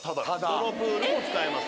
どのプールも使えます。